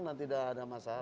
dan tidak ada masalah